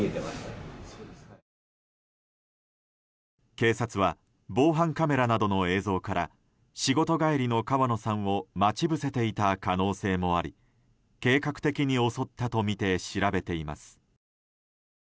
警察は防犯カメラなどの映像から仕事帰りの川野さんを待ち伏せていた可能性もあり計画的に襲ったとみて調べています。